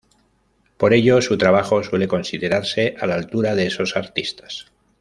Por ello su trabajo suele considerarse a la altura de esos artistas.